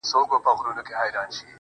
په اورېدو يې زما د زخم زړه ټکور غورځي~